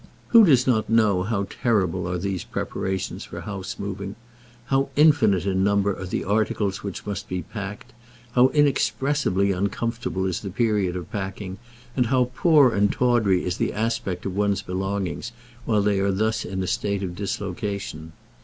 Who does not know how terrible are those preparations for house moving; how infinite in number are the articles which must be packed, how inexpressibly uncomfortable is the period of packing, and how poor and tawdry is the aspect of one's belongings while they are thus in a state of dislocation?